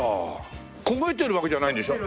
焦げてるわけじゃないんでしょ？